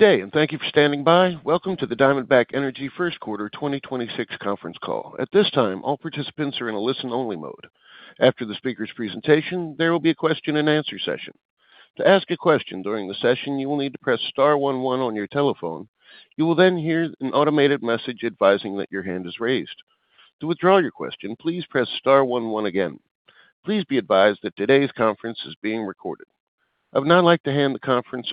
Good day and thank you for standing by. Welcome to the Diamondback Energy's First Quarter 2026 Conference Call. At this time all participants are in a listen-only mode. After the speakers' presentation there will be a question-and-answer session. To ask a question during the session you will need to press star one one on your telephone. You will then hear an automated message advising that your hand is raised. To withdraw your question please press star one one again. Please be advised that today's conference is being recorded. Thank you, Corey.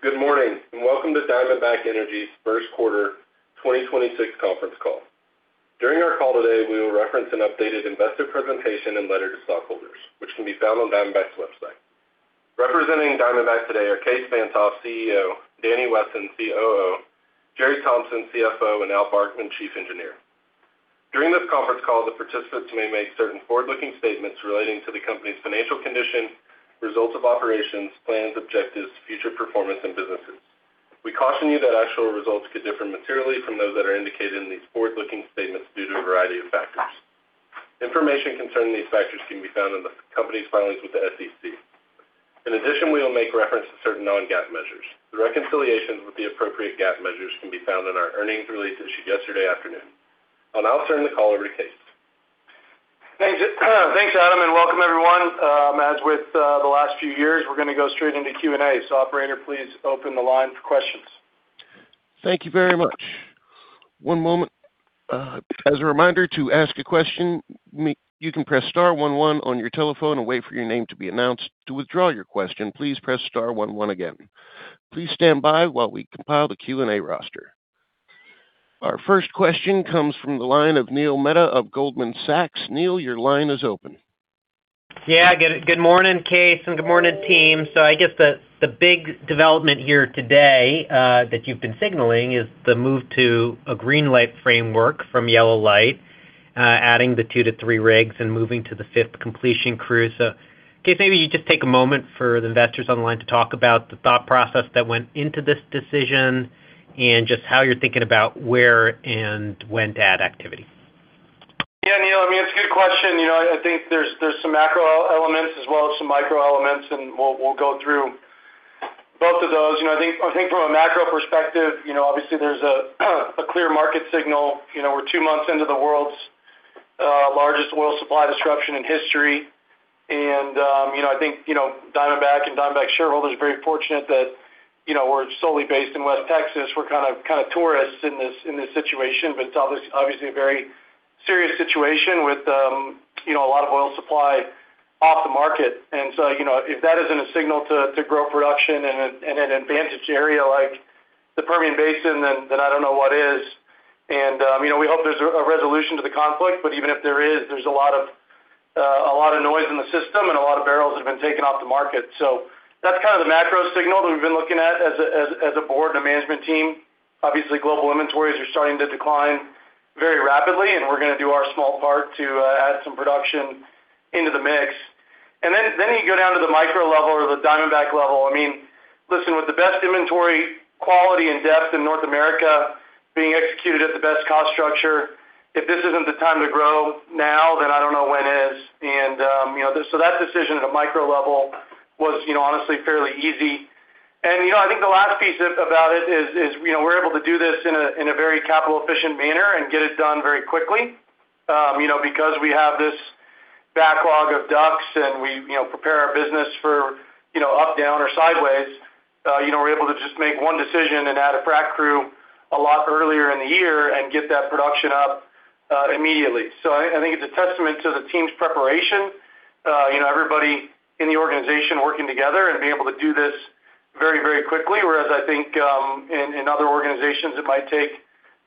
Good morning, welcome to Diamondback Energy's first quarter 2026 conference call. During our call today, we will reference an updated investor presentation and letter to stockholders, which can be found on Diamondback's website. Representing Diamondback today are Kaes Van't Hof, CEO; Danny Wesson, COO; Jere Thompson, CFO; and Al Barkmann, Chief Engineer. During this conference call, the participants may make certain forward-looking statements relating to the company's financial condition, results of operations, plans, objectives, future performance, and businesses. We caution you that actual results could differ materially from those that are indicated in these forward-looking statements due to a variety of factors. Information concerning these factors can be found in the company's filings with the SEC. In addition, we will make reference to certain non-GAAP measures. The reconciliations with the appropriate GAAP measures can be found in our earnings release issued yesterday afternoon. I'll now turn the call over to Kaes. Thanks. Thanks, Adam. Welcome everyone. As with the last few years, we're gonna go straight into Q&A. Operator, please open the line for questions. Thank you very much. One moment. As a reminder, to ask a question, you can press star one one on your telephone and wait for your name to be announced. To withdraw your question, please press star one one again. Please stand by while we compile the Q&A roster. Our first question comes from the line of Neil Mehta of Goldman Sachs. Neil, your line is open. Yeah, good morning, Kaes, and good morning, team. I guess the big development here today that you've been signaling is the move to a green light framework from yellow light, adding the 2 rigs-3 rigs and moving to the fifth completion crew. Kaes, maybe you just take a moment for the investors on the line to talk about the thought process that went into this decision and just how you're thinking about where and when to add activity. Yeah, Neil, I mean, it's a good question. You know, I think there's some macro elements as well as some micro elements, and we'll go through both of those. You know, I think from a macro perspective, you know, obviously there's a clear market signal. You know, we're two months into the world's largest oil supply disruption in history. You know, I think, you know, Diamondback and Diamondback shareholders are very fortunate that, you know, we're solely based in West Texas. We're kind of tourists in this situation, but it's obviously a very serious situation with, you know, a lot of oil supply off the market. You know, if that isn't a signal to grow production in an advantage area like the Permian Basin, then I don't know what is. You know, we hope there's a resolution to the conflict, but even if there is, there's a lot of noise in the system and a lot of barrels that have been taken off the market. That's kind of the macro signal that we've been looking at as a Board and a Management team. Obviously, global inventories are starting to decline very rapidly, and we're gonna do our small part to add some production into the mix. Then you go down to the micro level or the Diamondback level. I mean, listen, with the best inventory quality and depth in North America being executed at the best cost structure, if this isn't the time to grow now, then I don't know when it is. You know, so that decision at a micro level was, you know, honestly fairly easy. You know, I think the last piece of, about it is, you know, we're able to do this in a very capital efficient manner and get it done very quickly. You know, because we have this backlog of DUCs and we, you know, prepare our business for, you know, up, down or sideways, you know, we're able to just make one decision and add a frack crew a lot earlier in the year and get that production up immediately. I think it's a testament to the team's preparation, you know, everybody in the organization working together and being able to do this very, very quickly. Whereas I think, in other organizations it might take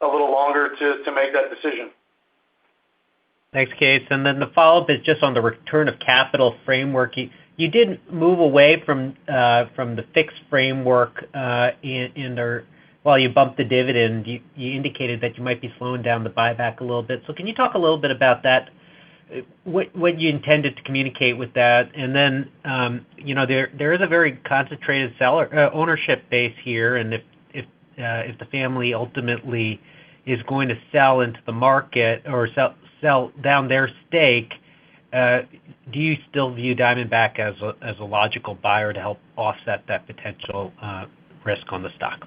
a little longer to make that decision. Thanks, Kaes. The follow-up is just on the return of capital framework. You did move away from the fixed framework. While you bumped the dividend, you indicated that you might be slowing down the buyback a little bit. Can you talk a little bit about that? What you intended to communicate with that? You know, there is a very concentrated seller ownership base here, and if the family ultimately is going to sell into the market or sell down their stake, do you still view Diamondback as a logical buyer to help offset that potential risk on the stock?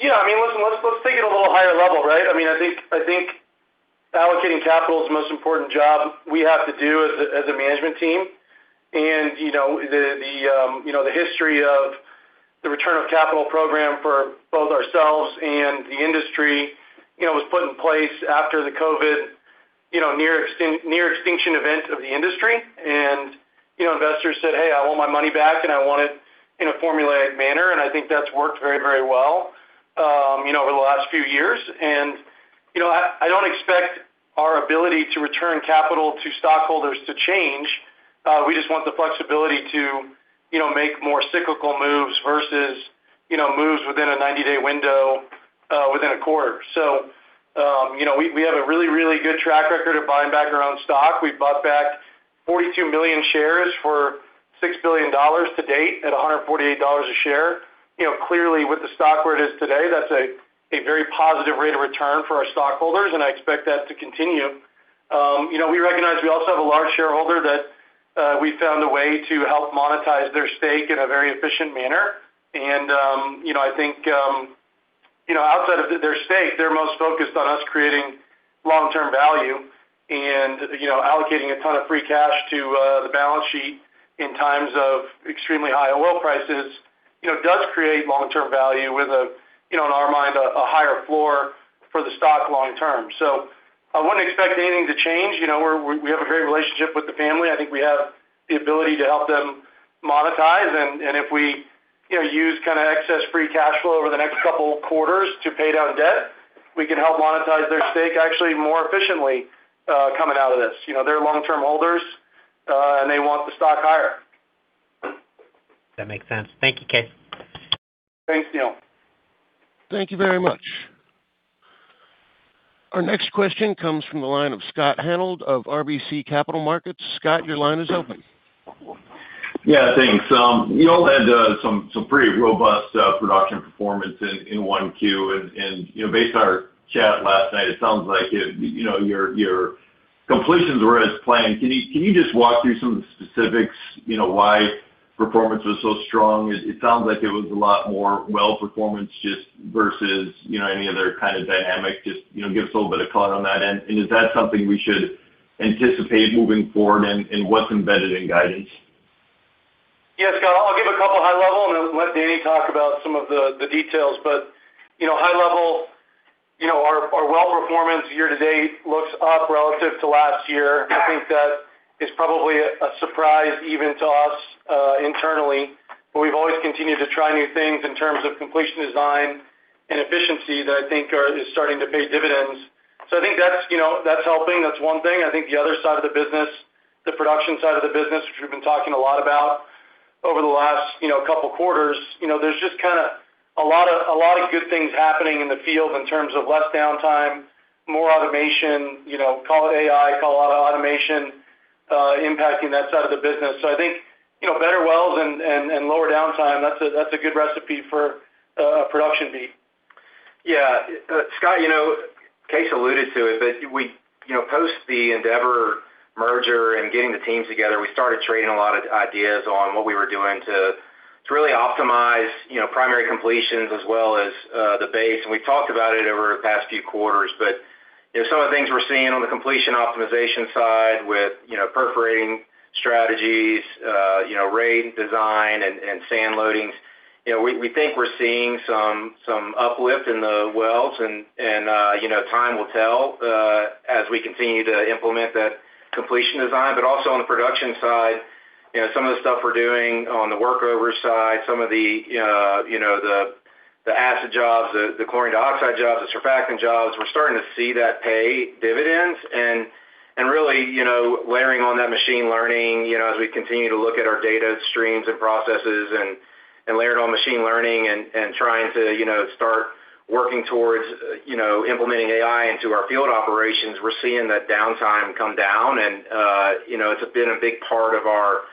Yeah. I mean, let's take it a little higher level, right? I mean, I think allocating capital is the most important job we have to do as a management team. You know, the history of the return of capital program for both ourselves and the industry, you know, was put in place after the COVID, you know, near extinction event of the industry. You know, investors said, Hey, I want my money back, and I want it in a formulaic manner. I think that's worked very, very well, you know, over the last few years. You know, I don't expect our ability to return capital to stockholders to change. We just want the flexibility to, you know, make more cyclical moves versus, you know, moves within a 90-day window, within a quarter. You know, we have a really, really good track record of buying back our own stock. We've bought back 42 million shares for $6 billion to-date at $148 a share. You know, clearly with the stock where it is today, that's a very positive rate of return for our stockholders, and I expect that to continue. You know, we recognize we also have a large shareholder that we found a way to help monetize their stake in a very efficient manner. You know, I think, you know, outside of their stake, they're most focused on us creating long-term value. You know, allocating a ton of free cash to the balance sheet in times of extremely high oil prices, you know, does create long-term value with a, you know, in our mind, a higher floor for the stock long term. I wouldn't expect anything to change. You know, we have a great relationship with the family. I think we have the ability to help them monetize. If we, you know, use kinda excess free cash flow over the next couple quarters to pay down debt, we can help monetize their stake actually more efficiently coming out of this. You know, they're long-term holders, and they want the stock higher. That makes sense. Thank you, Kaes. Thanks, Neil. Thank you very much. Our next question comes from the line of Scott Hanold of RBC Capital Markets. Scott, your line is open. Yeah. Thanks. You all had some pretty robust production performance in 1Q. You know, based on our chat last night, it sounds like your completions were as planned. Can you just walk through some of the specifics, you know, why performance was so strong? It sounds like it was a lot more well performance just versus, you know, any other kind of dynamic. You know, give us a little bit of color on that end. Is that something we should anticipate moving forward, and what's embedded in guidance? Yeah, Scott, I'll give a couple high-level, and then let Danny talk about some of the details. You know, high-level, you know, our well performance year-to-date looks up relative to last year. I think that is probably a surprise even to us internally. We've always continued to try new things in terms of completion design and efficiency that I think is starting to pay dividends. I think that's, you know, that's helping. That's one thing. I think the other side of the business, the production side of the business, which we've been talking a lot about over the last, you know, couple quarters, you know, there's just kinda a lot of, a lot of good things happening in the field in terms of less downtime, more automation, you know, call it AI, call it automation, impacting that side of the business. I think, you know, better wells and lower downtime, that's a, that's a good recipe for a production beat. Yeah. Scott, you know, Kaes alluded to it, but we, you know, post the Endeavor merger and getting the teams together, we started trading a lot of ideas on what we were doing to really optimize, you know, primary completions as well as the base. We've talked about it over the past few quarters. You know, some of the things we're seeing on the completion optimization side with, you know, perforating strategies, you know, rate design and sand loadings, you know, we think we're seeing some uplift in the wells. You know, time will tell as we continue to implement that completion design. Also on the production side, you know, some of the stuff we're doing on the workover side, some of the, you know, the acid jobs, the chlorine dioxide jobs, the surfactant jobs, we're starting to see that pay dividends. Really, you know, layering on that machine learning, you know, as we continue to look at our data streams and processes and layer it on machine learning and trying to, you know, start working towards, you know, implementing AI into our field operations, we're seeing that downtime come down. You know, it's been a big part of our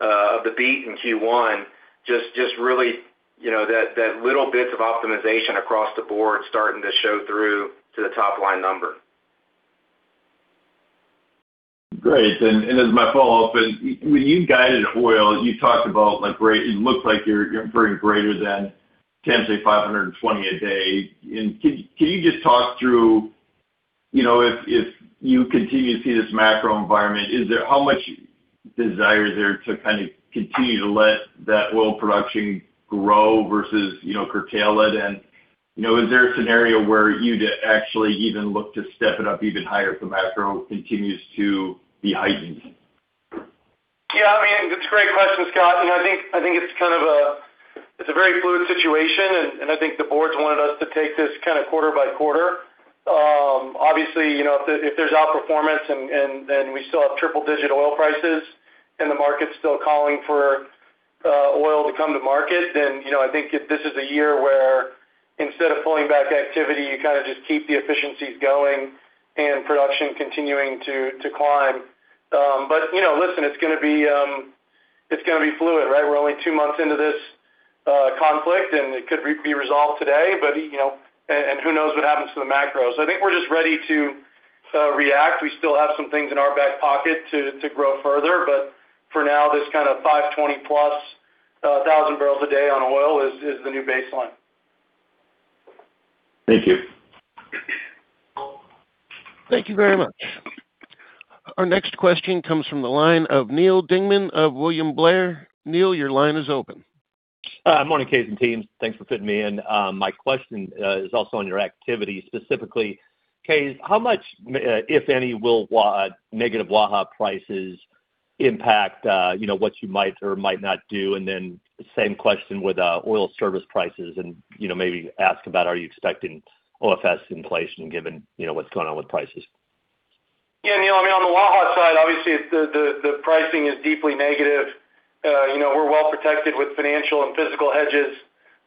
of the beat in Q1, just really, you know, that little bits of optimization across the board starting to show through to the top-line number. Great. As my follow-up, when you guided oil, you talked about like great. It looks like you're bringing greater than, can't say 520 Mbbl/d a day. Can you just talk through, you know, if you continue to see this macro environment, how much desire is there to kind of continue to let that oil production grow versus, you know, curtail it? You know, is there a scenario where you'd actually even look to step it up even higher if the macro continues to be heightened? Yeah. I mean, it's a great question, Scott. You know, I think it's kind of a very fluid situation, I think the Board's wanted us to take this kind of quarter-by-quarter. Obviously, you know, if there's outperformance and we still have triple-digit oil prices and the market's still calling for oil to come to market, you know, I think this is a year where instead of pulling back activity, you kind of just keep the efficiencies going and production continuing to climb. You know, listen, it's gonna be fluid, right? We're only two months into this conflict, it could be resolved today. You know, who knows what happens to the macro? I think we're just ready to react. We still have some things in our back pocket to grow further. For now, this kind of 520+ Mbbl/d on oil is the new baseline. Thank you. Thank you very much. Our next question comes from the line of Neal Dingmann of William Blair. Neal, your line is open. Morning, Kaes and team. Thanks for fitting me in. My question is also on your activity. Specifically, Kaes, how much, if any, will negative Waha prices impact, you know, what you might or might not do? Same question with OFS prices. You know, maybe ask about are you expecting OFS in place and given, you know, what's going on with prices? Yeah, Neal, I mean, on the Waha side, obviously, the pricing is deeply negative. You know, we're well protected with financial and physical hedges.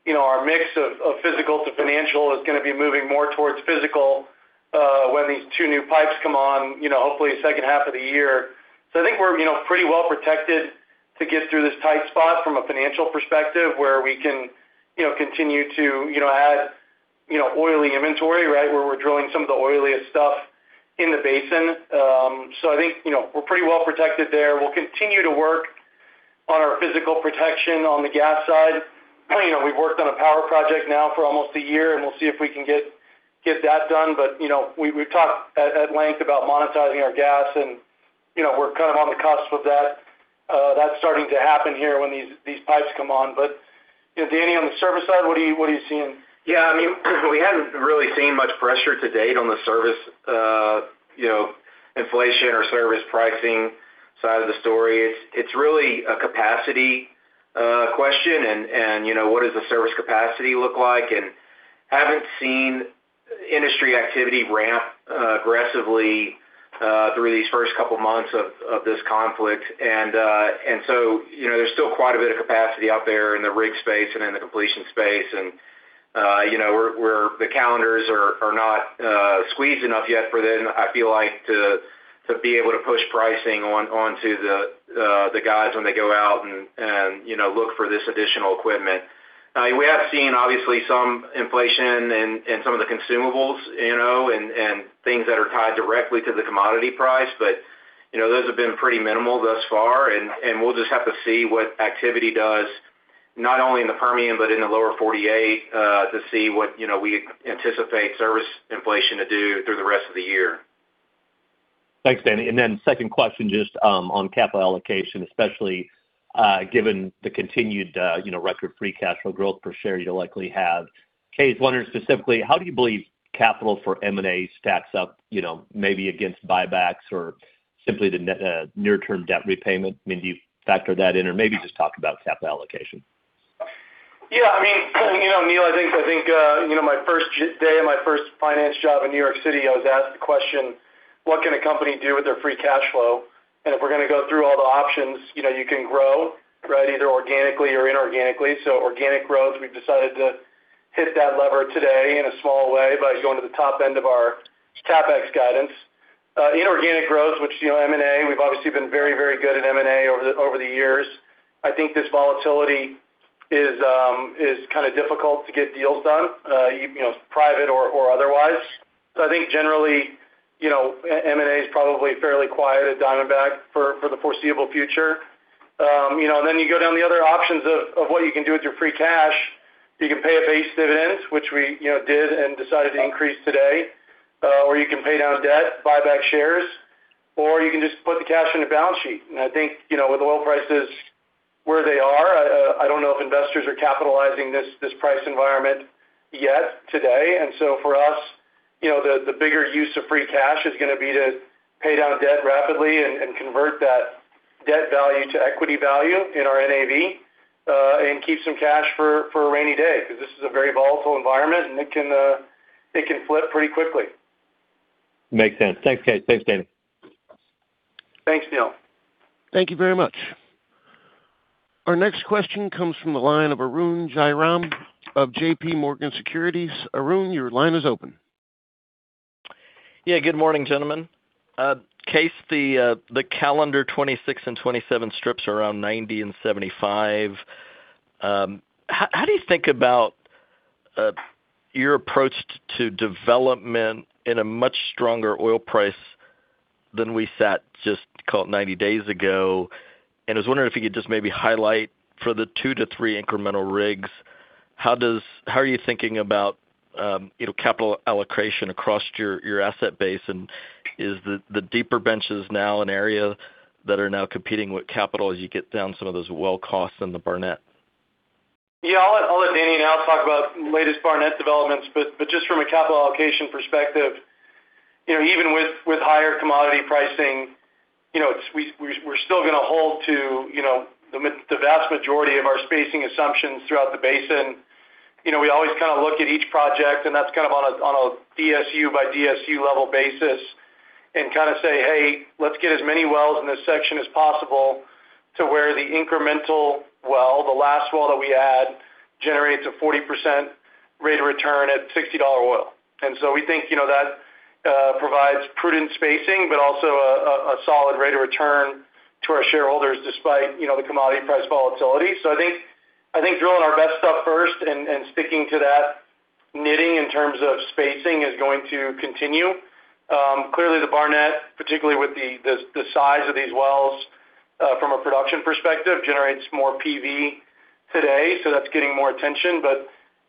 You know, our mix of physical to financial is gonna be moving more towards physical when these two new pipes come on, you know, hopefully second half of the year. I think we're, you know, pretty well protected to get through this tight spot from a financial perspective where we can, you know, continue to, you know, add, you know, oily inventory, right, where we're drilling some of the oiliest stuff in the basin. I think, you know, we're pretty well protected there. We'll continue to work on our physical protection on the gas side. You know, we've worked on a power project now for almost a year, and we'll see if we can get that done. You know, we've talked at length about monetizing our gas and, you know, we're kind of on the cusp of that. That's starting to happen here when these pipes come on. You know, Danny, on the service side, what are you seeing? I mean, we haven't really seen much pressure to date on the service, you know, inflation or service pricing side of the story. It's really a capacity question and, you know, what does the service capacity look like? Haven't seen industry activity ramp aggressively through these first couple months of this conflict. You know, there's still quite a bit of capacity out there in the rig space and in the completion space. You know, we're the calendars are not squeezed enough yet for them, I feel like, to be able to push pricing on to the guys when they go out and, you know, look for this additional equipment. We have seen obviously some inflation in some of the consumables, you know, and things that are tied directly to the commodity price. You know, those have been pretty minimal thus far, and we'll just have to see what activity does, not only in the Permian, but in the Lower 48, to see what, you know, we anticipate service inflation to do through the rest of the year. Thanks, Danny. Second question, just, on capital allocation, especially, given the continued, you know, record free cash flow growth per share you'll likely have. Kaes, wondering specifically, how do you believe capital for M&A stacks up, you know, maybe against buybacks or simply the near term debt repayment? I mean, do you factor that in? Maybe just talk about capital allocation. Yeah, I mean, you know, Neil, I think, you know, my first day in my first finance job in New York City, I was asked the question, what can a company do with their free cash flow? If we're gonna go through all the options, you know, you can grow, right, either organically or inorganically. Organic growth, we've decided to hit that lever today in a small way by going to the top end of our CapEx guidance. Inorganic growth, which, you know, M&A, we've obviously been very good at M&A over the years. I think this volatility is kind of difficult to get deals done, you know, private or otherwise. I think generally, you know, M&A is probably fairly quiet at Diamondback for the foreseeable future. You know, and then you go down the other options of what you can do with your free cash. You can pay a base dividend, which we, you know, did and decided to increase today. Or you can pay down debt, buy back shares, or you can just put the cash on your balance sheet. I think, you know, with oil prices where they are, I don't know if investors are capitalizing this price environment yet today. For us, you know, the bigger use of free cash is gonna be to pay down debt rapidly and convert that debt value to equity value in our NAV, and keep some cash for a rainy day, 'cause this is a very volatile environment, and it can flip pretty quickly. Makes sense. Thanks, Kaes. Thanks, Danny. Thanks, Neal. Thank you very much. Our next question comes from the line of Arun Jayaram of JPMorgan Securities. Arun, your line is open. Yeah, good morning, gentlemen. Kaes, the calendar 2026 and 2027 strips around $90 and $75. How do you think about your approach to development in a much stronger oil price than we sat just, call it 90 days ago? I was wondering if you could just maybe highlight for the 2-3 incremental rigs, how are you thinking about, you know, capital allocation across your asset base? Is the deeper benches now an area that are now competing with capital as you get down some of those well costs in the Barnett Shale? Yeah, I'll let Danny now talk about latest Barnett developments, but just from a capital allocation perspective, you know, even with higher commodity pricing, you know, we're still gonna hold to, you know, the vast majority of our spacing assumptions throughout the basin. You know, we always kind of look at each project, and that's kind of on a DSU by DSU level basis and kind of say, Hey, let's get as many wells in this section as possible to where the incremental well, the last well that we add generates a 40% rate of return at $60 oil. We think, you know, that provides prudent spacing but also a solid rate of return to our shareholders despite, you know, the commodity price volatility. I think drilling our best stuff first and sticking to that knitting in terms of spacing is going to continue. Clearly the Barnett, particularly with the size of these wells, from a production perspective, generates more PV today, so that's getting more attention.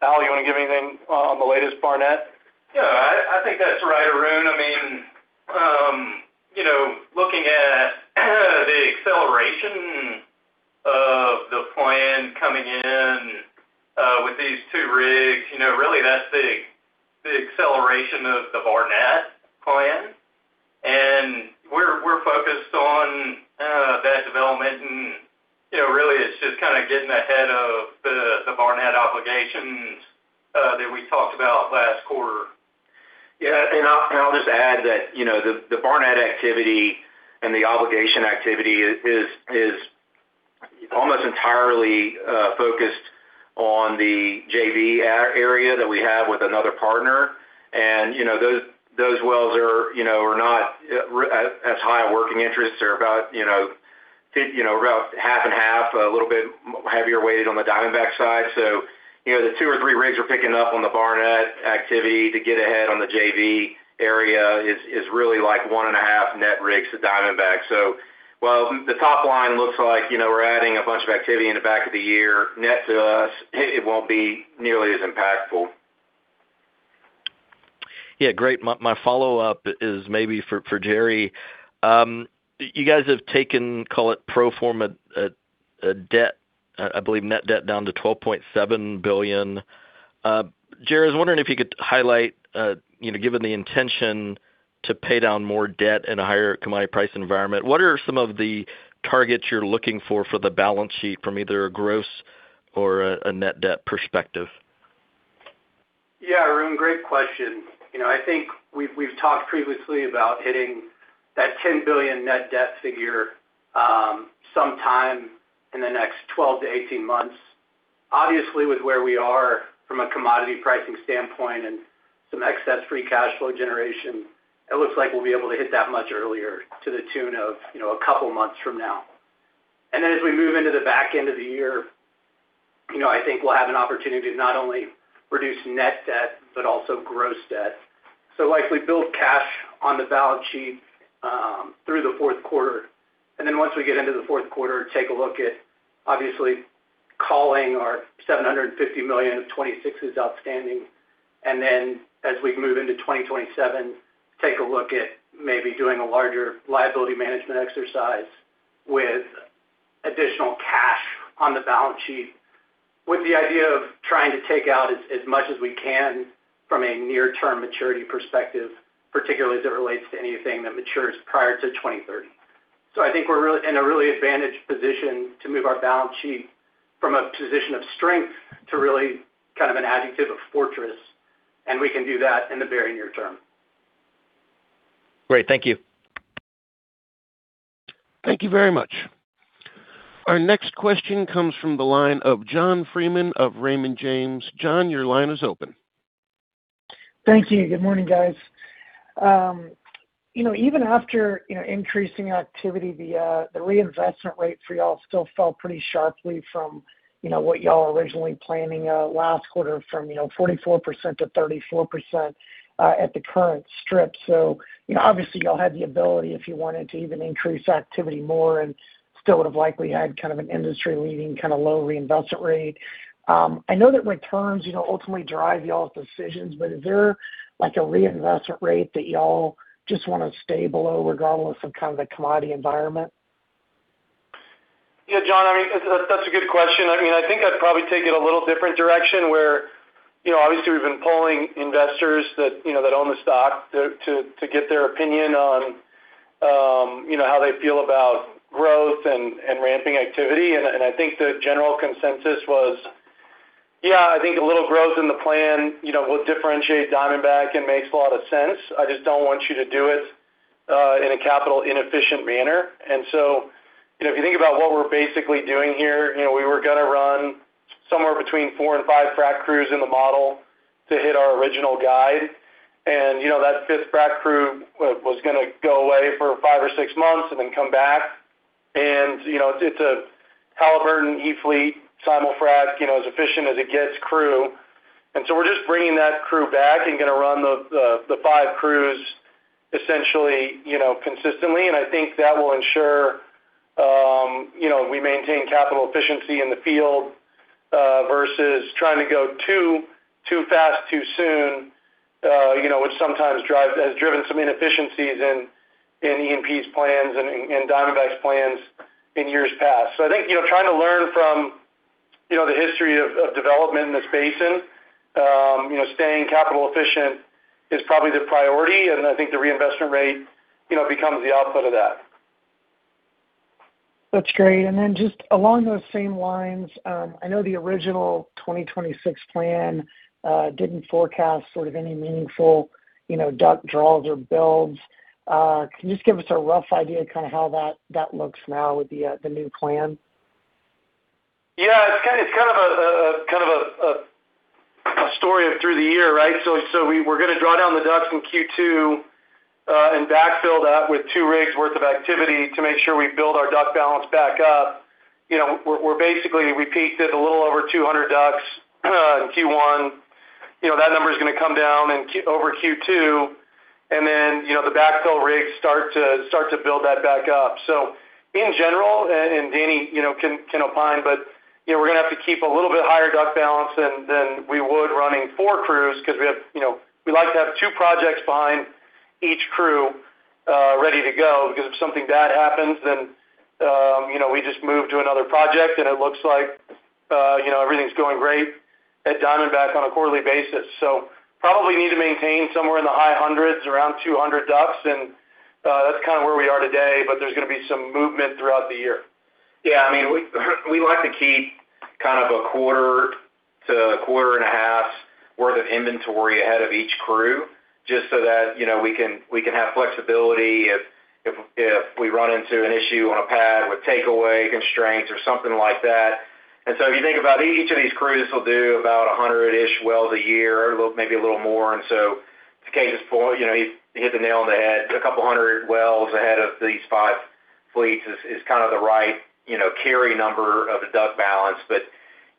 Al, you wanna give anything on the latest Barnett? I think that's right, Arun. I mean, you know, looking at the acceleration of the plan coming in, with these two rigs, you know, really that's the acceleration of the Barnett plan. We're focused on that development. You know, really it's just kind of getting ahead of the Barnett obligations that we talked about last quarter. I'll just add that, you know, the Barnett activity and the obligation activity is almost entirely focused on the JV area that we have with another partner. You know, those wells are not as high a working interest. They're about half and half, a little bit heavier weighted on the Diamondback side. You know, the two or three rigs we're picking up on the Barnett activity to get ahead on the JV area is really like one and a half net rigs to Diamondback. While the top line looks like, you know, we're adding a bunch of activity in the back of the year, net to us, it won't be nearly as impactful. Yeah, great. My follow-up is maybe for Jere. You guys have taken, call it pro forma debt, I believe net-debt down to $12.7 billion. Jere, I was wondering if you could highlight, you know, given the intention to pay down more debt in a higher commodity price environment, what are some of the targets you're looking for the balance sheet from either a gross or a net debt perspective? Yeah, Arun, great question. You know, I think we've talked previously about hitting that $10 billion net debt figure sometime in the next 12months-18 months. Obviously, with where we are from a commodity pricing standpoint and some excess free cash flow generation, it looks like we'll be able to hit that much earlier to the tune of, you know, a couple months from now. Then as we move into the back end of the year, you know, I think we'll have an opportunity to not only reduce net debt, but also gross debt. Likely build cash on the balance sheet through the fourth quarter. Then once we get into the fourth quarter, take a look at obviously calling our $750 million of 2026s outstanding. As we move into 2027, take a look at maybe doing a larger liability management exercise with additional cash on the balance sheet, with the idea of trying to take out as much as we can from a near-term maturity perspective, particularly as it relates to anything that matures prior to 2030. I think we're in a really advantaged position to move our balance sheet from a position of strength to really kind of an adjective of fortress, and we can do that in the very near term. Great. Thank you. Thank you very much. Our next question comes from the line of John Freeman of Raymond James. John, your line is open. Thank you. Good morning, guys. You know, even after, you know, increasing activity via the reinvestment rate for y'all still fell pretty sharply from, you know, what y'all originally planning last quarter from, you know, 44% to 34% at the current strip. You know, obviously y'all had the ability if you wanted to even increase activity more and still would've likely had kind of an industry-leading, kind of low reinvestment rate. I know that returns, you know, ultimately drive y'all's decisions, is there like a reinvestment rate that y'all just wanna stay below regardless of kind of the commodity environment? Yeah, John, I mean, that's a good question. I mean, I think I'd probably take it a little different direction where, you know, obviously we've been polling investors that, you know, that own the stock to get their opinion on, you know, how they feel about growth and ramping activity. I think the general consensus was, Yeah, I think a little growth in the plan, you know, will differentiate Diamondback and makes a lot of sense. I just don't want you to do it in a capital inefficient manner. If you think about what we're basically doing here, you know, we were gonna run somewhere between 4 frac crews and 5 frac crews in the model to hit our original guide. You know, that fifth frac crew was gonna go away for five or six months and then come back. You know, it's a Halliburton e-fleet Simul-Frac, you know, as efficient as it gets crew. We're just bringing that crew back and gonna run the five crews essentially, you know, consistently. I think that will ensure, you know, we maintain capital efficiency in the field versus trying to go too fast, too soon, you know, which sometimes has driven some inefficiencies in E&P's plans and Diamondback's plans in years past. I think, you know, trying to learn from, you know, the history of development in this basin, you know, staying capital efficient is probably the priority. I think the reinvestment rate, you know, becomes the output of that. That's great. Just along those same lines, I know the original 2026 plan didn't forecast sort of any meaningful, you know, DUC draws or builds. Can you just give us a rough idea kind of how that looks now with the new plan? Yeah. It's kind of a story of through the year, right? We're gonna draw down the DUCs in Q2 and backfill that with two rigs worth of activity to make sure we build our DUC balance back up. You know, we're basically, we peaked at a little over 200 DUCs in Q1. You know, that number's gonna come down over Q2, and then, you know, the backfill rigs start to build that back up. In general, and Danny, you know, can opine, but, you know, we're gonna have to keep a little bit higher DUC balance than we would running four crews because we have, you know, we like to have two projects behind each crew ready to go. If something bad happens then, you know, we just move to another project, and it looks like, you know, everything's going great at Diamondback on a quarterly basis. Probably need to maintain somewhere in the high hundreds, around 200 DUCs, and that's kind of where we are today. There's gonna be some movement throughout the year. Yeah. I mean, we like to keep. Kind of a quarter to quarter and a half worth of inventory ahead of each crew, just so that, you know, we can have flexibility if we run into an issue on a pad with takeaway constraints or something like that. If you think about each of these crews will do about 100-ish wells a year, maybe a little more. To Kaes' point, you know, he hit the nail on the head. A couple of 200 wells ahead of these five fleets is kind of the right, you know, carry number of a DUC balance. You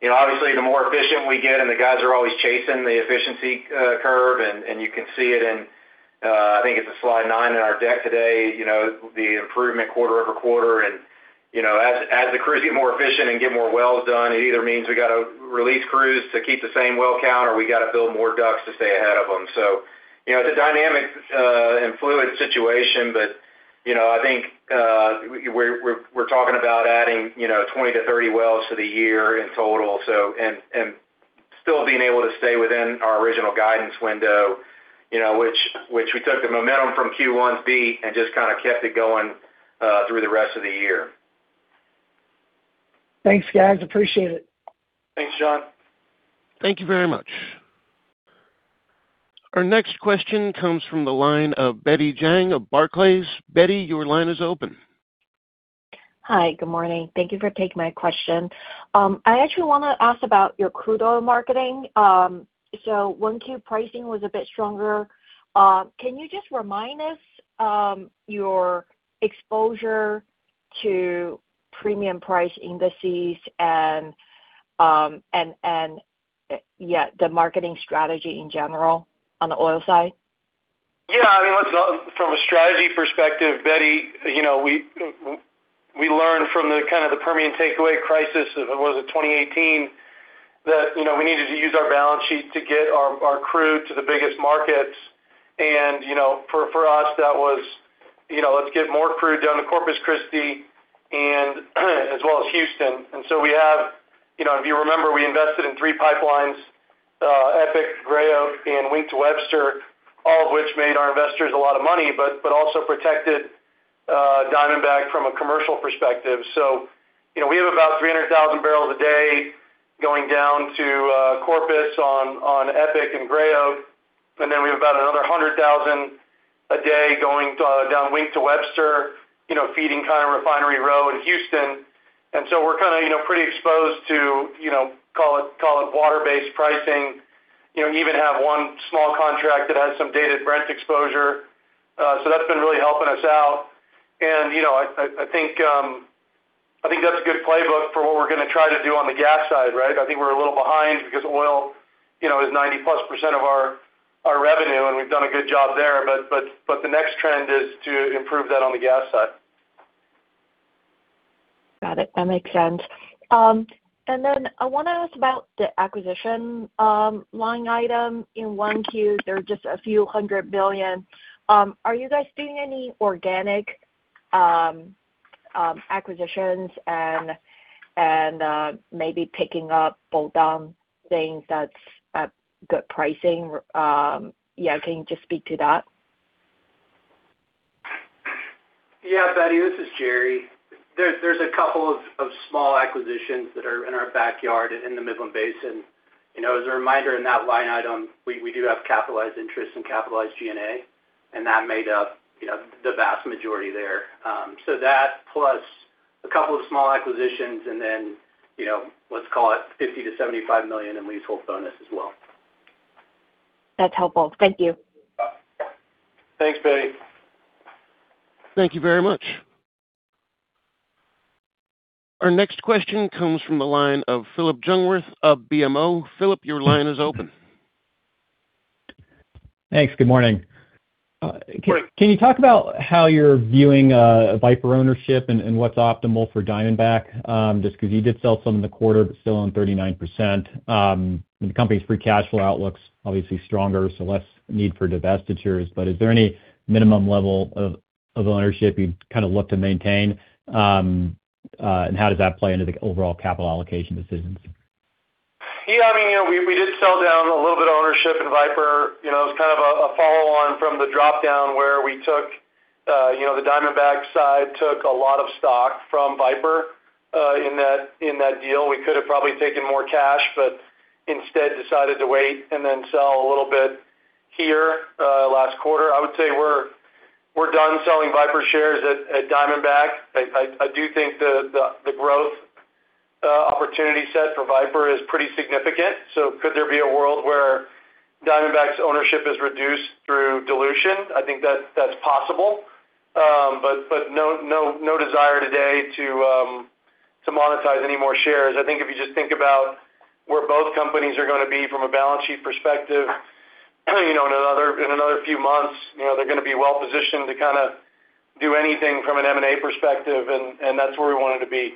know, obviously, the more efficient we get, and the guys are always chasing the efficiency curve, and you can see it in, I think it's a slide nine in our deck today, you know, the improvement quarter-over-quarter. You know, as the crews get more efficient and get more wells done, it either means we got to release crews to keep the same well count or we got to build more DUCs to stay ahead of them. You know, it's a dynamic and fluid situation. You know, I think, we're talking about adding, you know, 20 wells-30 wells to the year in total. Still being able to stay within our original guidance window, you know, which we took the momentum from Q1 beat and just kind of kept it going through the rest of the year. Thanks, guys. Appreciate it. Thanks, John. Thank you very much. Our next question comes from the line of Betty Jiang of Barclays. Betty, your line is open. Hi, good morning. Thank you for taking my question. I actually wanna ask about your crude oil marketing. 1Q pricing was a bit stronger, can you just remind us, your exposure to premium price indices and, yeah, the marketing strategy in general on the oil side? Yeah, I mean, from a strategy perspective, Betty, you know, we learned from the kind of the Permian takeaway crisis, what was it, 2018, that, you know, we needed to use our balance sheet to get our crude to the biggest markets. You know, for us, that was, you know, let's get more crude down to Corpus Christi and as well as Houston. We have, you know, if you remember, we invested in three pipelines, Epic, Gray Oak, and Wink to Webster, all of which made our investors a lot of money, but also protected Diamondback from a commercial perspective. You know, we have about 300,000 bpd going down to Corpus on Epic and Gray Oak. We have about another 100,000 bpd going down Wink to Webster, you know, feeding kind of refinery row in Houston. We're kind of, you know, pretty exposed to, you know, call it water-based pricing, you know, even have one small contract that has some dated Brent exposure. That's been really helping us out. You know, I think that's a good playbook for what we're gonna try to do on the gas side, right? I think we're a little behind because oil, you know, is 90+% of our revenue, and we've done a good job there. But the next trend is to improve that on the gas side. Got it. That makes sense. I wanna ask about the acquisition line item in 1Q. They're just a few hundred billion. Are you guys doing any organic acquisitions and maybe picking up bolt-on things that's at good pricing? Yeah. Can you just speak to that? Yeah, Betty, this is Jere. There's a couple of small acquisitions that are in our backyard in the Midland Basin. You know, as a reminder, in that line item, we do have capitalized interest and capitalized G&A, and that made up, you know, the vast majority there. That plus a couple of small acquisitions and then, you know, let's call it $50 million-$75 million in leasehold bonus as well. That's helpful. Thank you. Thanks, Betty. Thank you very much. Our next question comes from the line of Phillip Jungwirth of BMO. Phillip, your line is open. Thanks. Good morning. Good morning. Can you talk about how you're viewing Viper ownership and what's optimal for Diamondback? Just 'cause you did sell some in the quarter, but still own 39%. The company's free cash flow outlook's obviously stronger, so less need for divestitures. Is there any minimum level of ownership you'd kind of look to maintain? How does that play into the overall capital allocation decisions? Yeah, I mean, you know, we did sell down a little bit of ownership in Viper. You know, it was kind of a follow on from the dropdown where we took, you know, the Diamondback side took a lot of stock from Viper in that deal. We could have probably taken more cash, instead decided to wait and then sell a little bit here last quarter. I would say we're done selling Viper shares at Diamondback. I do think the growth opportunity set for Viper is pretty significant. Could there be a world where Diamondback's ownership is reduced through dilution? I think that's possible. But no desire today to monetize any more shares. I think if you just think about where both companies are gonna be from a balance sheet perspective, you know, in another few months, you know, they're gonna be well-positioned to kind of do anything from an M&A perspective, and that's where we want it to be.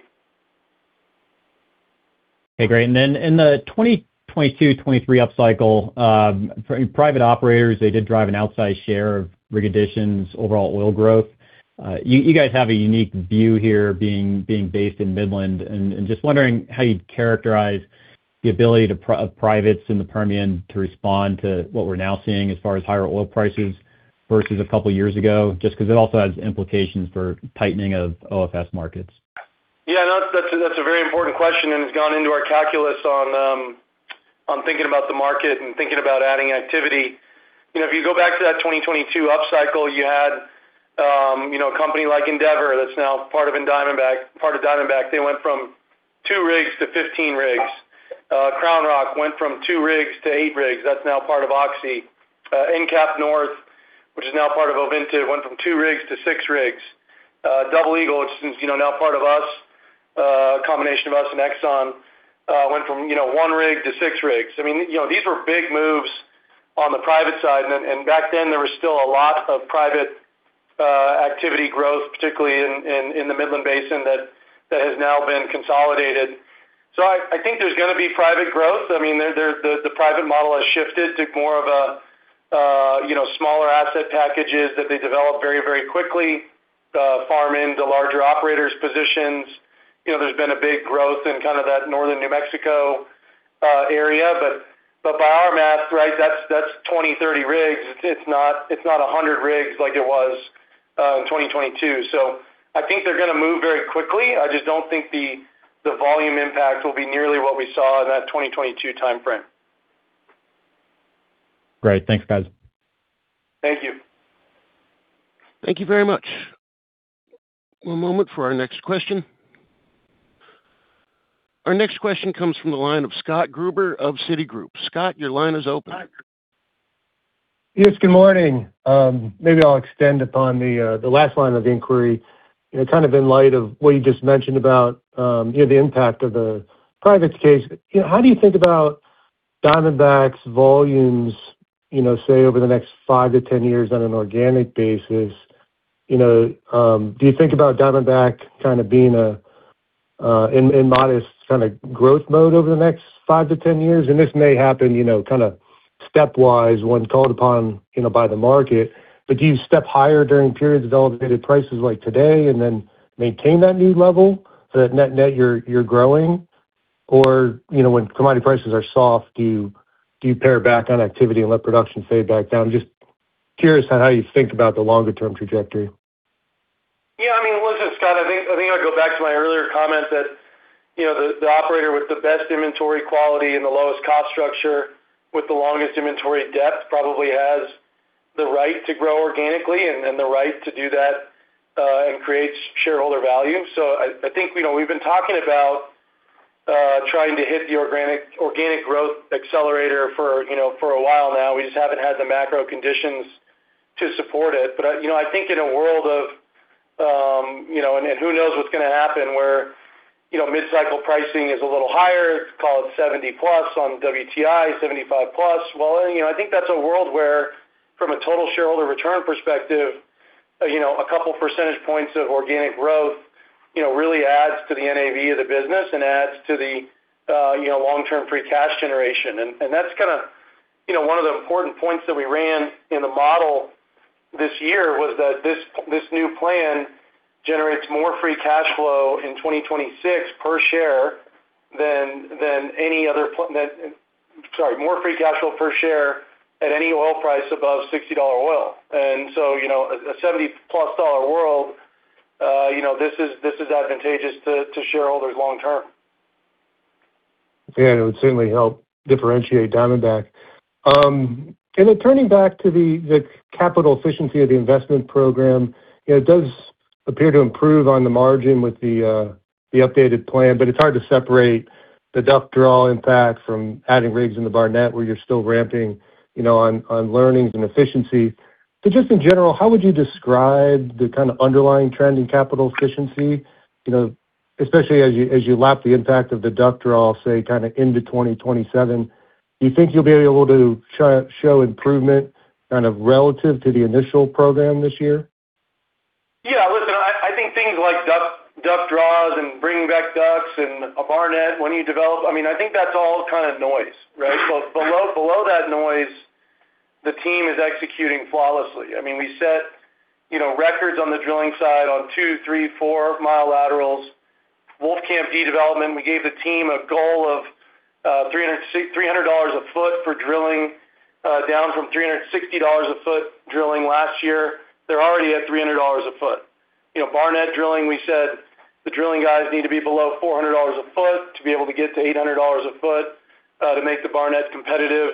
Okay, great. Then in the 2022-2023 upcycle, private operators, they did drive an outsized share of rig additions, overall oil growth. You guys have a unique view here being based in Midland. Just wondering how you'd characterize the ability of privates in the Permian to respond to what we're now seeing as far as higher oil prices versus a couple years ago, just because it also has implications for tightening of OFS markets. Yeah, no, that's a very important question, and it's gone into our calculus on thinking about the market and thinking about adding activity. You know, if you go back to that 2022 upcycle, you had, you know, a company like Endeavor that's now part of Diamondback. They went from 2 rigs to 15 rigs. CrownRock went from 2 rigs to 8 rigs. That's now part of Oxy. EnCap North, which is now part of Ovintiv, went from 2 rigs to 6 rigs. Double Eagle, which is, you know, now part of us, a combination of us and Exxon, went from, you know, 1 rig to 6 rigs. I mean, you know, these were big moves on the private side. Back then, there was still a lot of private activity growth, particularly in the Midland Basin that has now been consolidated. I think there's gonna be private growth. I mean, the private model has shifted to more of a, you know, smaller asset packages that they develop very, very quickly, farm into larger operators positions. You know, there's been a big growth in kind of that Northern New Mexico area. By our math, right, that's 20 rigs, 30 rigs. It's not 100 rigs like it was in 2022. I think they're gonna move very quickly. I just don't think the volume impact will be nearly what we saw in that 2022 timeframe. Great. Thanks, guys. Thank you. Thank you very much. One moment for our next question. Our next question comes from the line of Scott Gruber of Citigroup. Scott, your line is open. Yes, good morning. Maybe I'll extend upon the last line of inquiry, you know, kind of in light of what you just mentioned about, you know, the impact of the privates Kaes. You know, how do you think about Diamondback's volumes, you know, say, over the next 5 years-10 years on an organic basis? You know, do you think about Diamondback kind of being a, in modest kind of growth mode over the next 5years-10 years? This may happen, you know, kinda stepwise when called upon, you know, by the market. Do you step higher during periods of elevated prices like today and then maintain that new level so that net you're growing? You know, when commodity prices are soft, do you pare back on activity and let production fade back down? Just curious on how you think about the longer term trajectory. Yeah, I mean, listen, Scott, I think I go back to my earlier comment that, you know, the operator with the best inventory quality and the lowest cost structure with the longest inventory depth probably has the right to grow organically and then the right to do that and creates shareholder value. I think, you know, we've been talking about trying to hit the organic growth accelerator for, you know, for a while now. We just haven't had the macro conditions to support it. I think in a world of, you know, and who knows what's gonna happen where, you know, mid-cycle pricing is a little higher, call it $70+ on WTI, $75+. Well, you know, I think that's a world where from a total shareholder return perspective, you know, a couple percentage points of organic growth, you know, really adds to the NAV of the business and adds to the, you know, long-term free cash generation. That's kinda, you know, one of the important points that we ran in the model this year was that this new plan generates more free cash flow in 2026 per share than any other, more free cash flow per share at any oil price above $60 oil. So, you know, a $70+ world, you know, this is advantageous to shareholders long term. Yeah, it would certainly help differentiate Diamondback. Then turning back to the capital efficiency of the investment program, it does appear to improve on the margin with the updated plan, but it's hard to separate the DUC draw impact from adding rigs in the Barnett where you're still ramping, you know, on learnings and efficiency. Just in general, how would you describe the kind of underlying trend in capital efficiency? You know, especially as you lap the impact of the DUC draw, I'll say, kind of into 2027. Do you think you'll be able to show improvement kind of relative to the initial program this year? Listen, I think things like DUC draws and bringing back DUCs in Barnett when you develop, I mean, I think that's all kind of noise, right? Below that noise, the team is executing flawlessly. I mean, we set, you know, records on the drilling side on 2 mi, 3 mi, 4 mi laterals. Wolfcamp D development, we gave the team a goal of $300/ft for drilling, down from $360/ft drilling last year. They're already at $300/ft. You know, Barnett Drilling, we said the drilling guys need to be below $400/ft to be able to get to $800/ft to make the Barnett competitive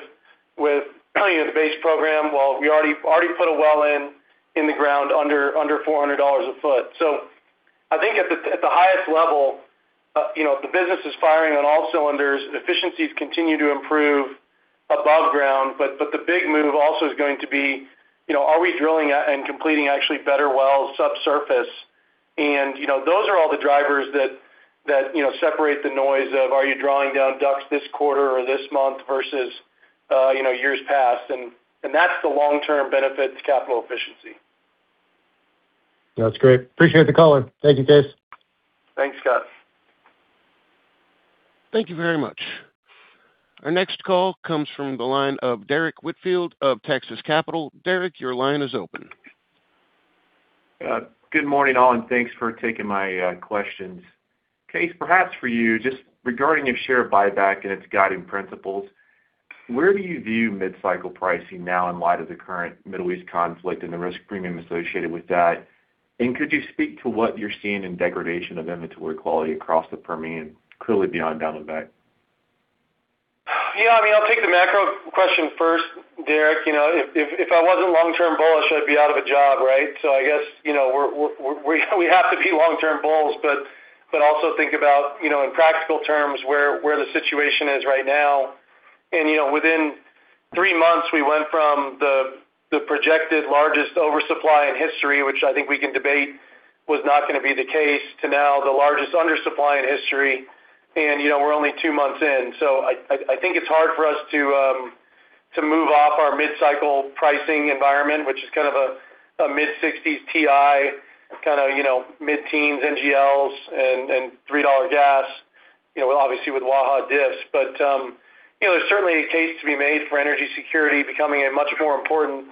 with, you know, the base program. Well, we already put a well in the ground under $400/ft. I think at the highest level, you know, the business is firing on all cylinders. Efficiencies continue to improve above ground. The big move also is going to be, you know, are we drilling and completing actually better wells subsurface? You know, those are all the drivers that, you know, separate the noise of are you drawing down DUCs this quarter or this month versus, you know, years past. That's the long-term benefit to capital efficiency. That's great. Appreciate the color. Thank you, Kaes. Thanks, Scott. Thank you very much. Our next call comes from the line of Derrick Whitfield of Texas Capital. Derrick, your line is open. Good morning, all, and thanks for taking my questions. Kaes, perhaps for you, just regarding your share buyback and its guiding principles, where do you view mid-cycle pricing now in light of the current Middle East conflict and the risk premium associated with that? Could you speak to what you're seeing in degradation of inventory quality across the Permian, clearly beyond Diamondback? Yeah, I mean, I'll take the macro question first, Derrick. You know, if I wasn't long-term bullish, I'd be out of a job, right? I guess, you know, we have to be long-term bulls, but also think about, you know, in practical terms, where the situation is right now. You know, within three months, we went from the projected largest oversupply in history, which I think we can debate was not gonna be the case, to now the largest undersupply in history. You know, we're only two months in. I think it's hard for us to move off our mid-cycle pricing environment, which is kind of a mid-$60s WTI, kind of, you know, mid-teens NGLs and $3 gas, you know, obviously with Waha diffs. You know, there's certainly a case to be made for energy security becoming a much more important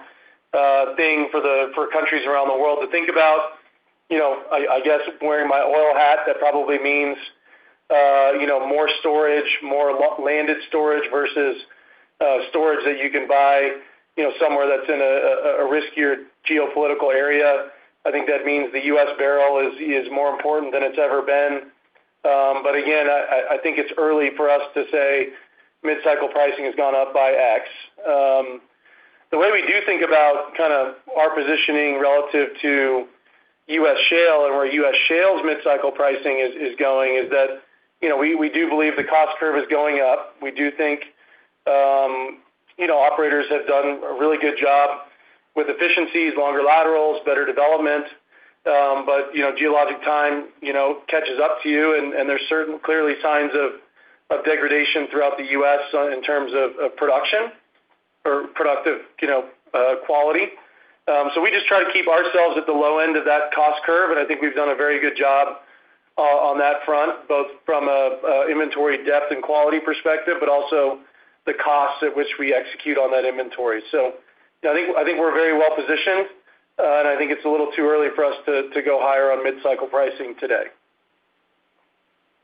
thing for countries around the world to think about. You know, I guess wearing my oil hat, that probably means, you know, more storage, more landed storage versus storage that you can buy, you know, somewhere that's in a riskier geopolitical area. I think that means the U.S. barrel is more important than it's ever been. Again, I think it's early for us to say mid-cycle pricing has gone up by x. The way we do think about kinda our positioning relative to U.S. shale and where U.S. shale's mid-cycle pricing is going is that, you know, we do believe the cost curve is going up. We do think, you know, operators have done a really good job with efficiencies, longer laterals, better development. You know, geologic time, you know, catches up to you, and there's certain clearly signs of degradation throughout the U.S. in terms of production or productive, you know, quality. We just try to keep ourselves at the low end of that cost curve, and I think we've done a very good job on that front, both from a inventory depth and quality perspective, but also the cost at which we execute on that inventory. I think, I think we're very well positioned, and I think it's a little too early for us to go higher on mid-cycle pricing today.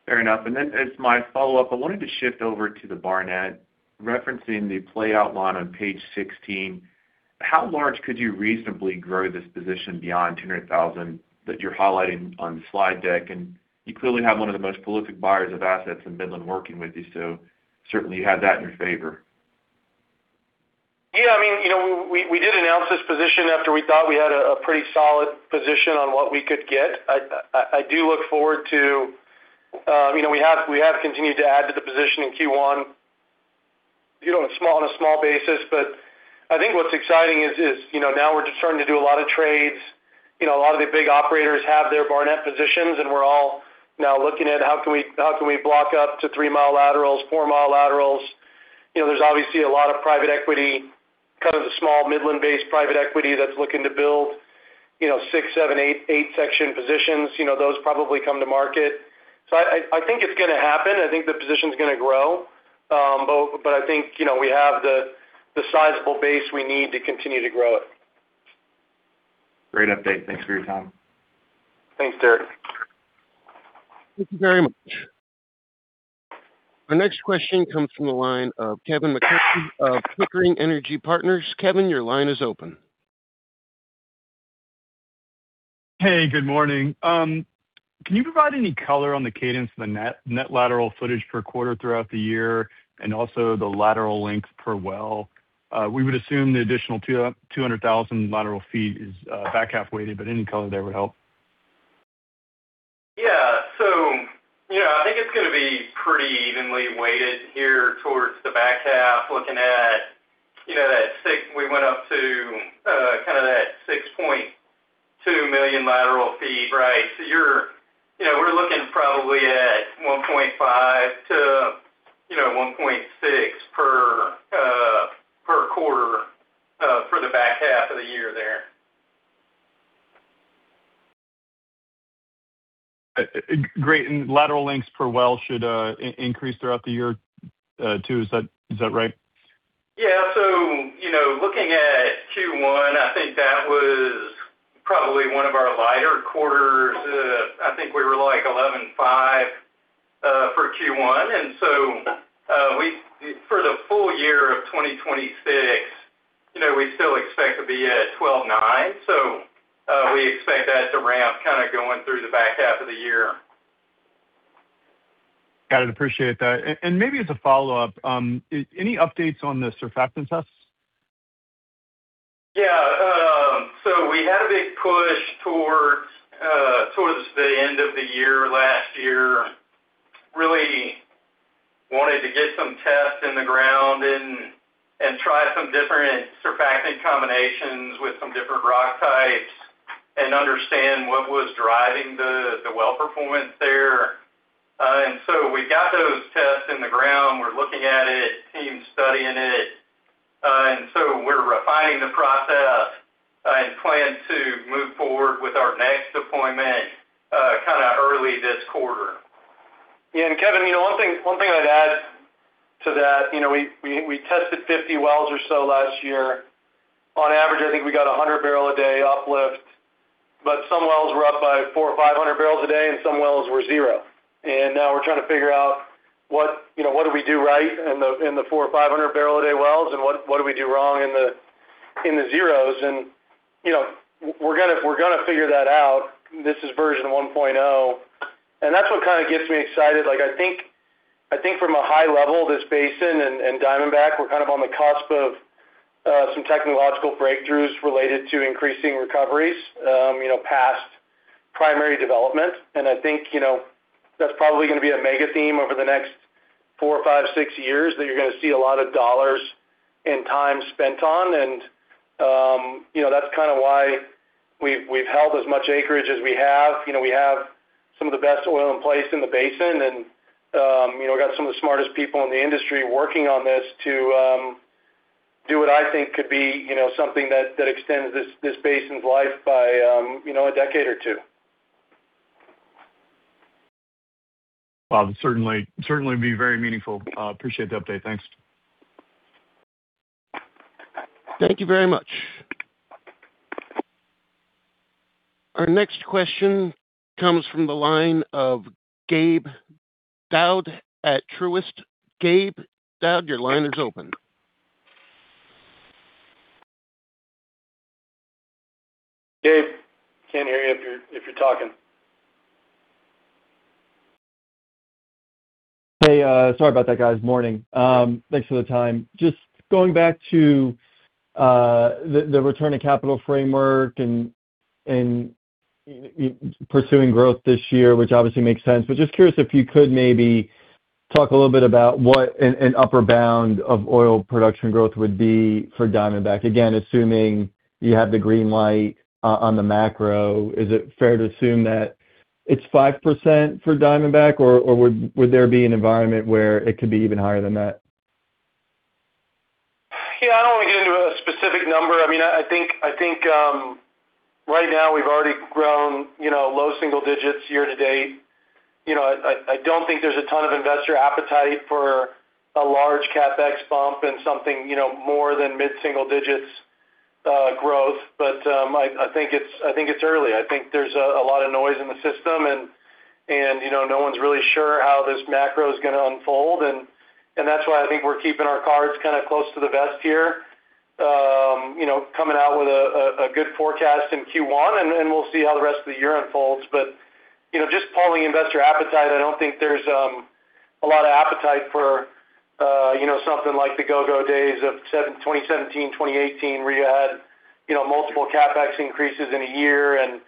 Fair enough. Then as my follow-up, I wanted to shift over to the Barnett, referencing the play outline on page 16. How large could you reasonably grow this position beyond 200,000 acres that you're highlighting on the slide deck? You clearly have one of the most prolific buyers of assets in Midland working with you, so certainly you have that in your favor. Yeah, I mean, you know, we did announce this position after we thought we had a pretty solid position on what we could get. I do look forward to. You know, we have continued to add to the position in Q1, you know, on a small basis. I think what's exciting is, you know, now we're just starting to do a lot of trades. You know, a lot of the big operators have their Barnett positions, and we're all now looking at how can we block up to 3-mi laterals, 4-mi laterals. You know, there's obviously a lot of private equity, kind of the small Midland-based private equity that's looking to build, you know, six, seven, eight section positions. You know, those probably come to market. I think it's gonna happen. I think the position's gonna grow. I think, you know, we have the sizable base we need to continue to grow it. Great update. Thanks for your time. Thanks, Derrick. Thank you very much. Our next question comes from the line of Kevin MacCurdy of Pickering Energy Partners. Kevin, your line is open. Hey, good morning. Can you provide any color on the cadence of the net lateral footage per quarter throughout the year and also the lateral length per well? We would assume the additional 200,000 lateral ft is back half weighted, but any color there would help. Yeah. Yeah, I think it's gonna be pretty evenly weighted here towards the back half, looking at, you know, kind of that 6.2 million lateral ft, right? You know, we're looking probably at 1.5 million lateral ft to, you know, 1.6 million lateral ft per quarter for the back half of the year there. Great. Lateral lengths per well should increase throughout the year, too. Is that right? Yeah. You know, looking at Q1, I think that was probably one of our lighter quarters. I think we were, like, 11.5 million latera; ft for Q1. For the full year of 2026, you know, we still expect to be at 12.9 million lateral ft. We expect that to ramp kind of going through the back half of the year. Got it. Appreciate that. Maybe as a follow-up, any updates on the surfactant tests? Yeah. We had a big push towards the end of the year last year. Really wanted to get some tests in the ground and try some different surfactant combinations with some different rock types and understand what was driving the well performance there. We got those tests in the ground. We're looking at it, team's studying it. We're refining the process and plan to move forward with our next deployment kinda early this quarter. Kevin, you know, one thing I'd add to that, you know, we tested 50 wells or so last year. On average, I think we got a 100 bpd uplift, but some wells were up by 400 bpd or 500 bpd, and some wells were 0 bpd. Now we're trying to figure out what, you know, what did we do right in the, in the 400 bpd or 500 bpd wells, and what did we do wrong in the, in the 0 bpd? You know, we're gonna figure that out. This is version 1.0. That's what kind of gets me excited. Like, I think from a high level, this basin and Diamondback, we're kind of on the cusp of some technological breakthroughs related to increasing recoveries, you know, past primary development. I think, you know, that's probably gonna be a mega theme over the next four, five, six years that you're gonna see a lot of dollars and time spent on. You know, that's kind of why we've held as much acreage as we have. You know, we have some of the best oil in place in the basin, and, you know, we got some of the smartest people in the industry working on this to do what I think could be, you know, something that extends this basin's life by, you know, a decade or two. Well, that certainly be very meaningful. Appreciate the update. Thanks. Thank you very much. Our next question comes from the line of Gabe Daoud at Truist. Gabe Daoud, your line is open. Gabe, can't hear you if you're talking. Hey, sorry about that, guys. Morning. Thanks for the time. Just going back to the return to capital framework and pursuing growth this year, which obviously makes sense. Just curious if you could maybe talk a little bit about what an upper bound of oil production growth would be for Diamondback. Again, assuming you have the green light on the macro, is it fair to assume that it's 5% for Diamondback, or would there be an environment where it could be even higher than that? Yeah, I don't wanna get into a specific number. I mean, I think, right now we've already grown, you know, low single digits year-to-date. You know, I don't think there's a ton of investor appetite for a large CapEx bump and something, you know, more than mid-single digits growth. I think it's early. I think there's a lot of noise in the system, and, you know, no one's really sure how this macro is gonna unfold, and that's why I think we're keeping our cards kinda close to the vest here. You know, coming out with a good forecast in Q1, and then we'll see how the rest of the year unfolds. You know, just polling investor appetite, I don't think there's a lot of appetite for, you know, something like the go-go days of 2017, 2018, where you had, you know, multiple CapEx increases in a year and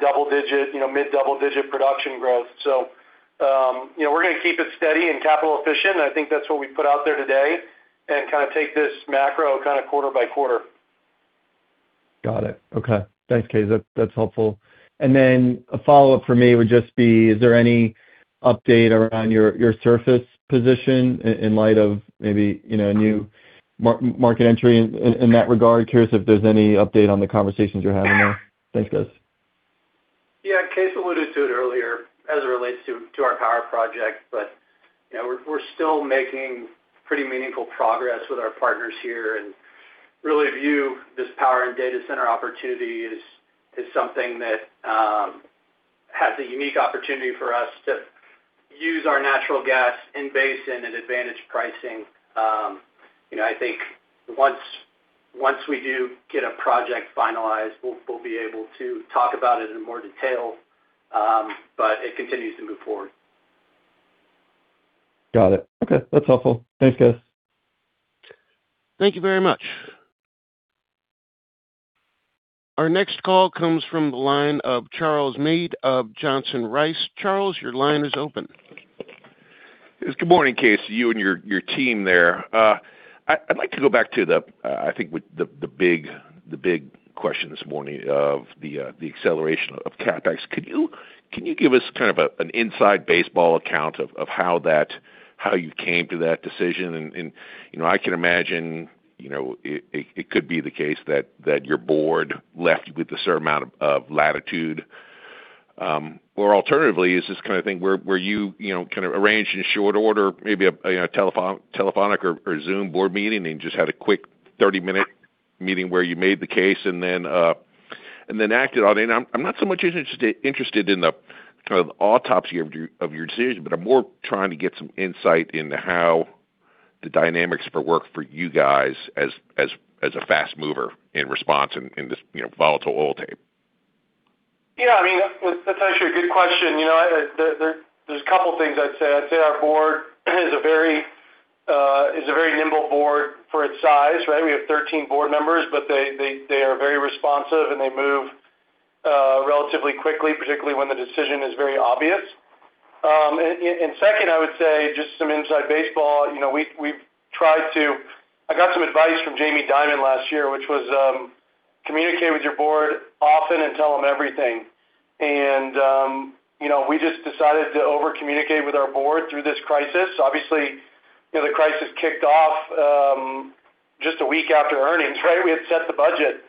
double-digit, you know, mid-double-digit production growth. You know, we're gonna keep it steady and capital efficient, and I think that's what we put out there today, and kinda take this macro kinda quarter-by-quarter. Got it. Okay. Thanks, Kaes. That's helpful. A follow-up for me would just be, is there any update around your surface position in light of maybe, you know, new market entry in that regard? Curious if there's any update on the conversations you're having there. Thanks, guys. Yeah. Kaes alluded to it earlier as it relates to our power project, you know, we're still making pretty meaningful progress with our partners here and really view this power and data center opportunity as something that has a unique opportunity for us to use our natural gas in basin at advantaged pricing. You know, I think once we do get a project finalized, we'll be able to talk about it in more detail, it continues to move forward. Got it. Okay. That's helpful. Thanks, guys. Thank you very much. Our next call comes from the line of Charles Meade of Johnson Rice. Charles, your line is open. Good morning, Kaes, you and your team there. I'd like to go back to the, I think with the big, the big question this morning of the acceleration of CapEx. Could you, can you give us kind of a, an inside baseball account of how you came to that decision? You know, I can imagine, you know, it, it could be the case that your board left you with a certain amount of latitude. Or alternatively, is this kind of thing where you know, kind of arranged in short order maybe a, you know, telephonic or Zoom Board meeting and just had a quick 30-minute meeting where you made the case and then, and then acted on it? I'm not so much interested in the kind of autopsy of your decision, but I'm more trying to get some insight into how the dynamics would work for you guys as a fast mover in response in this, you know, volatile oil tape. Yeah, I mean, that's actually a good question. You know, there's a couple things I'd say. I'd say our board is a very nimble board for its size, right? We have 13 Board Members, they are very responsive, and they move relatively quickly, particularly when the decision is very obvious. Second, I would say, just some inside baseball, you know, I got some advice from Jamie Dimon last year, which was, communicate with your Board often and tell them everything. You know, we just decided to over-communicate with our Board through this crisis. Obviously, you know, the crisis kicked off. Just a week after earnings, right? We had set the budget.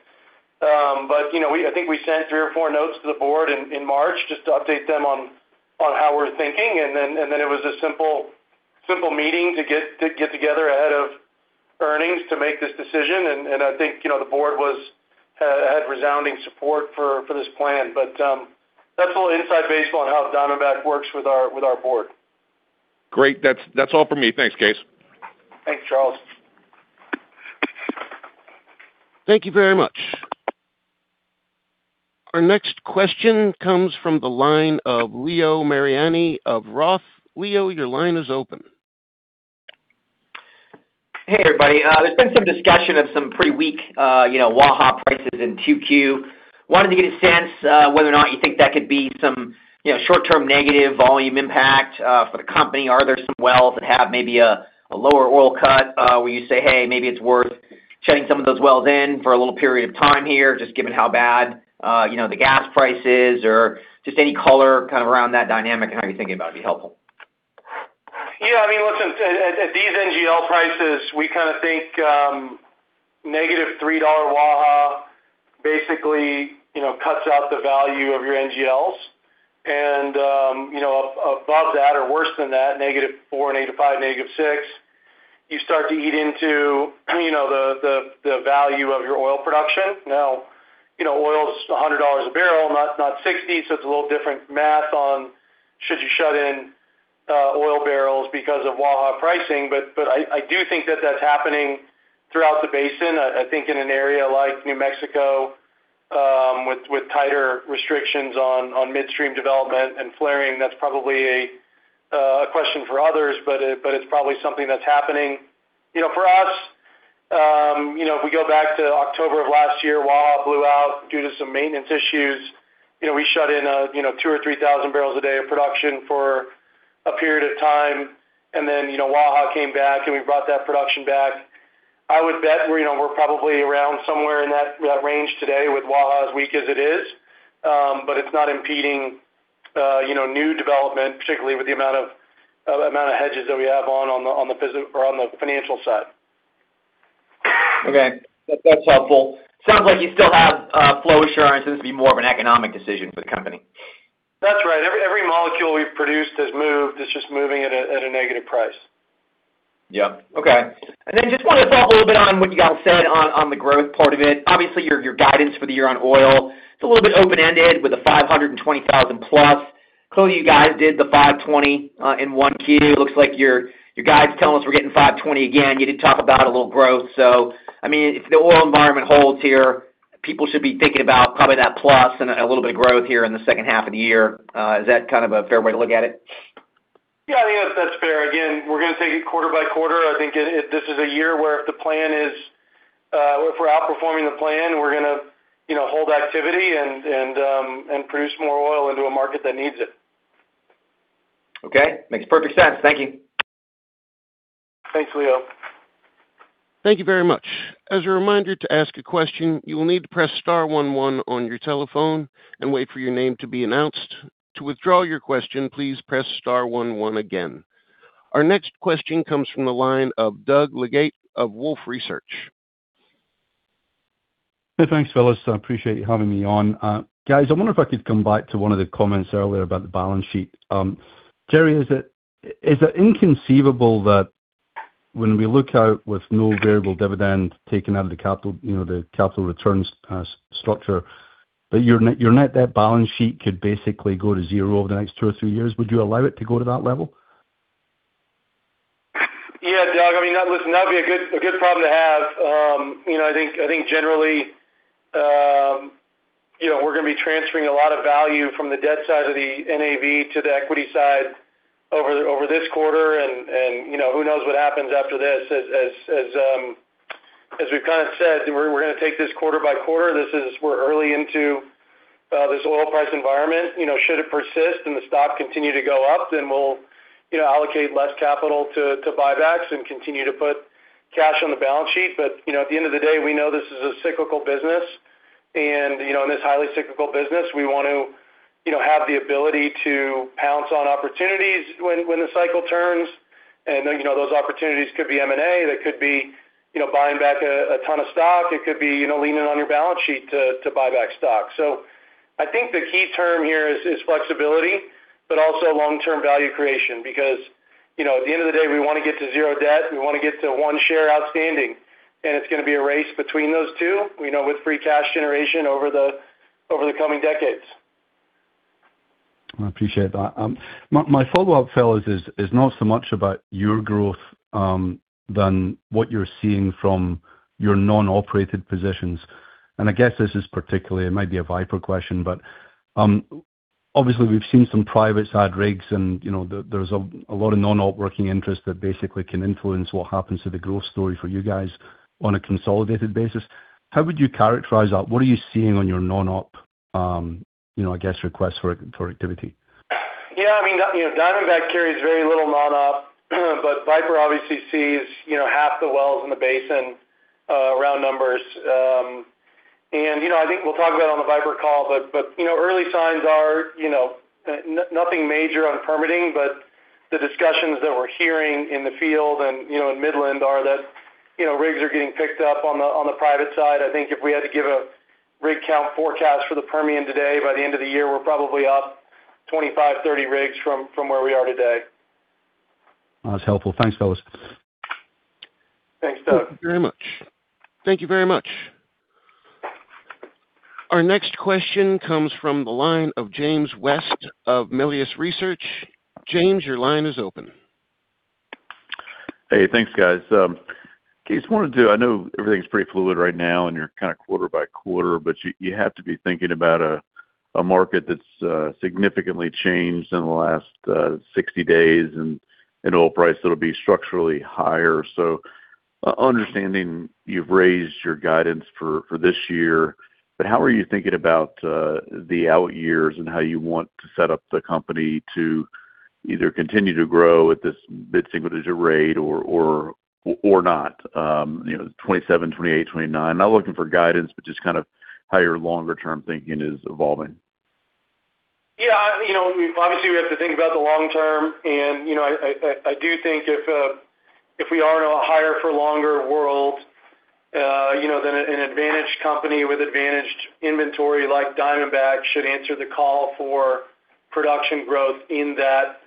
You know, I think we sent three or four notes to the Board in March just to update them on how we're thinking. It was a simple meeting to get together ahead of earnings to make this decision. I think, you know, the Board was had resounding support for this plan. That's a little inside baseball on how Diamondback works with our Board. Great. That's all for me. Thanks, Kaes. Thanks, Charles. Thank you very much. Our next question comes from the line of Leo Mariani of ROTH. Leo, your line is open. Hey, everybody. There's been some discussion of some pretty weak, you know, Waha prices in 2Q. Wanted to get a sense whether or not you think that could be some, you know, short-term negative volume impact for the company. Are there some wells that have maybe a lower oil cut where you say, Hey, maybe it's worth shutting some of those wells in for a little period of time here, just given how bad, you know, the gas price is, or just any color kind of around that dynamic and how you're thinking about it would be helpful? Yeah, I mean, listen, at these NGL prices, we kind of think -$3 Waha basically cuts out the value of your NGLs. Above that or worse than that, -$4, -$5, -$6, you start to eat into the value of your oil production. Now, oil's $100/bbl, not $60/bbl, so it's a little different math on should you shut in oil barrels because of Waha pricing. But I do think that's happening throughout the basin. I think in an area like New Mexico, with tighter restrictions on midstream development and flaring, that's probably a question for others, but it's probably something that's happening. You know, for us, you know, if we go back to October of last year, Waha blew out due to some maintenance issues. You know, we shut in, you know, 2,000 bpd or 3,000 bpd of production for a period of time. Then, you know, Waha came back, and we brought that production back. I would bet we're, you know, we're probably around somewhere in that range today with Waha as weak as it is. It's not impeding, you know, new development, particularly with the amount of hedges that we have on the or on the financial side. Okay. That's helpful. Sounds like you still have flow assurance. This would be more of an economic decision for the company. That's right. Every molecule we've produced has moved. It's just moving at a negative price. Yeah. Okay. Then just wanted to talk a little bit on what you all said on the growth part of it. Obviously, your guidance for the year on oil, it's a little bit open-ended with a 520,000 bbl/d. Clearly, you guys did the 520 Mbbl/d In 1Q. Looks like your guide's telling us we're getting 520 Mbbl/d again. You did talk about a little growth. I mean, if the oil environment holds here, people should be thinking about probably that plus and a little bit of growth here in the second half of the year. Is that kind of a fair way to look at it? Yeah, I think that's fair. Again, we're gonna take it quarter-by-quarter. I think this is a year where if the plan is, if we're outperforming the plan, we're gonna, you know, hold activity and produce more oil into a market that needs it. Okay. Makes perfect sense. Thank you. Thanks, Leo. Thank you very much. As a reminder to ask a question, you will need to press star one one on your telephone and wait for your name to be announced. To withdraw your question, please press star one one again. Our next question comes from the line of Doug Leggate of Wolfe Research. Hey, thanks, fellas. I appreciate you having me on. Guys, I wonder if I could come back to one of the comments earlier about the balance sheet. Jere, is it inconceivable that when we look out with no variable dividend taken out of the capital, you know, the capital returns structure, that your net debt balance sheet could basically go to zero over the next two or three years? Would you allow it to go to that level? Yeah, Doug. I mean, that listen, that'd be a good, a good problem to have. You know, I think generally, you know, we're gonna be transferring a lot of value from the debt side of the NAV to the equity side over this quarter. You know, who knows what happens after this. As we've kind of said, we're gonna take this quarter-by-quarter. We're early into this oil price environment. You know, should it persist and the stock continue to go up, then we'll, you know, allocate less capital to buybacks and continue to put cash on the balance sheet. You know, at the end of the day, we know this is a cyclical business. You know, in this highly cyclical business, we want to, you know, have the ability to pounce on opportunities when the cycle turns. Then, you know, those opportunities could be M&A. They could be, you know, buying back a ton of stock. It could be, you know, leaning on your balance sheet to buy back stock. I think the key term here is flexibility, but also long-term value creation. You know, at the end of the day, we wanna get to zero-debt. We wanna get to one share outstanding, and it's gonna be a race between those two, you know, with free cash generation over the coming decades. I appreciate that. My follow-up, fellas, is not so much about your growth than what you're seeing from your non-operated positions. I guess this is particularly, it might be a Viper question, but, obviously, we've seen some private side rigs and, you know, there's a lot of non-op working interest that basically can influence what happens to the growth story for you guys on a consolidated basis. How would you characterize that? What are you seeing on your non-op, you know, I guess, requests for activity? Yeah, I mean, you know, Diamondback carries very little non-op, but Viper obviously sees, you know, half the wells in the basin, round numbers. You know, I think we'll talk about it on the Viper call, but, you know, early signs are, you know, nothing major on permitting, but the discussions that we're hearing in the field and, you know, in Midland are that, you know, rigs are getting picked up on the private side. I think if we had to give a rig count forecast for the Permian today, by the end of the year, we're probably up 25 rigs-30 rigs from where we are today. That's helpful. Thanks, fellas. Thanks, Doug. Thank you very much. Thank you very much. Our next question comes from the line of James West of Melius Research. James, your line is open. Thanks, guys. Just wanted to I know everything's pretty fluid right now, and you're kind of quarter by quarter, but you have to be thinking about a market that's significantly changed in the last 60 days and an oil price that'll be structurally higher. Understanding you've raised your guidance for this year, but how are you thinking about the out years and how you want to set up the company to either continue to grow at this bit significant rate or not, you know, 2027, 2028, 2029? Not looking for guidance, but just kind of how your longer term thinking is evolving. Yeah. You know, obviously, we have to think about the long term. You know, I do think if we are in a higher for longer world, you know, then an advantaged company with advantaged inventory like Diamondback should answer the call for production growth in that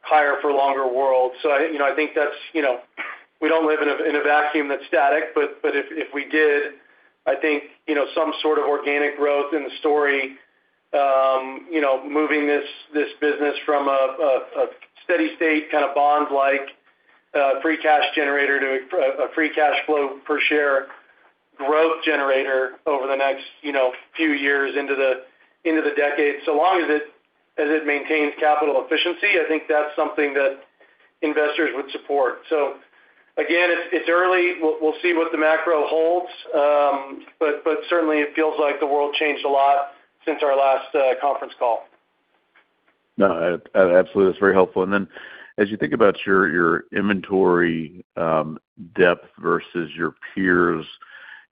higher for longer world. You know, I think that's, you know, we don't live in a, in a vacuum that's static. If we did, I think, you know, some sort of organic growth in the story, you know, moving this business from a steady state kind of bond like free cash generator to a free cash flow per share growth generator over the next, you know, few years into the decade. Long as it maintains capital efficiency, I think that's something that investors would support. Again, it's early. We'll see what the macro holds. But certainly it feels like the world changed a lot since our last conference call. No, absolutely. That's very helpful. As you think about your inventory, depth versus your peers,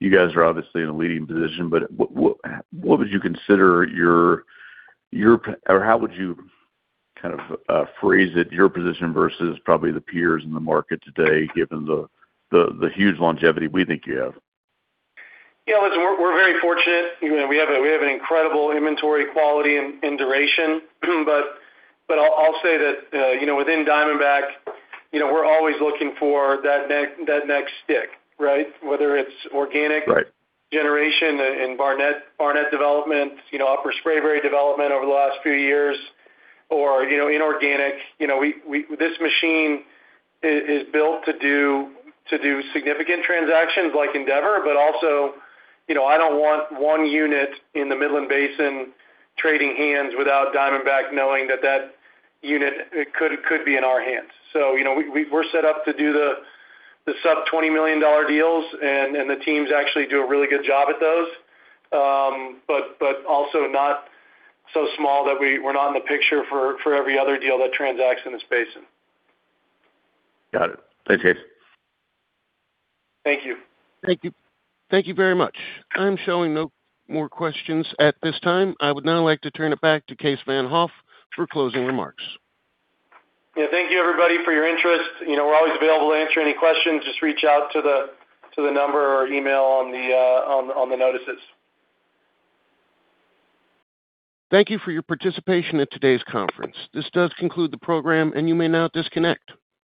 you guys are obviously in a leading position. What would you consider your or how would you kind of, phrase it, your position versus probably the peers in the market today, given the huge longevity we think you have? Yeah, listen, we're very fortunate. You know, we have an incredible inventory quality and duration. I'll say that, you know, within Diamondback, you know, we're always looking for that next stick, right? Right whether its organic generation in Barnett development, you know, Upper Spraberry development over the last few years, or, you know, inorganic. You know, we, this machine is built to do, to do significant transactions like Endeavor, but also, you know, I don't want one unit in the Midland Basin trading hands without Diamondback knowing that that unit could be in our hands. You know, we're set up to do the sub $20 million deals, and the teams actually do a really good job at those. But, but also not so small that we're not in the picture for every other deal that transacts in this basin. Got it. Thanks, guys. Thank you. Thank you. Thank you very much. I'm showing no more questions at this time. I would now like to turn it back to Kaes Van't Hof for closing remarks. Yeah. Thank you everybody for your interest. You know, we're always available to answer any questions. Just reach out to the number or email on the notices. Thank you for your participation in today's conference. This does conclude the program, and you may now disconnect.